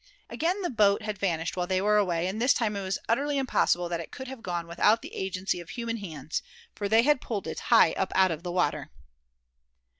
Again had the boat vanished while they were away; and this time it was utterly impossible that it could have gone without the agency of human hands, for they had pulled it high up out of the water!